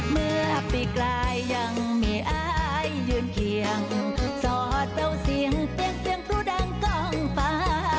เมื่อปีกลายยังมีไอ้ยืนเคียงสอดเตาเสียงเตียงเตียงพรุ่ดังกล้องฟ้า